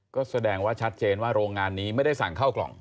ก็แสดงว่าชัดเจนว่าโรงงานนี้ไม่ได้สั่งเข้ากล่อง